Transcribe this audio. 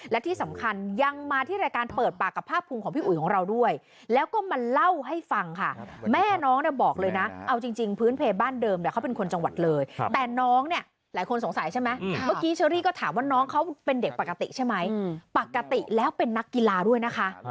และที่สำคัญยังมาที่รายการเปิดปากกับภาคภูมิของพี่อุ๋ยของเราด้วยแล้วก็มาเล่าให้ฟังค่ะแม่น้องเนี่ยบอกเลยนะเอาจริงพื้นเพบ้านเดิมเนี่ยเขาเป็นคนจังหวัดเลยแต่น้องเนี่ยหลายคนสงสัยใช่ไหมเมื่อกี้เชอรี่ก็ถามว่าน้องเขาเป็นเด็กปกติใช่ไหมปกติแล้วเป็นนักกีฬาด้วยนะคะ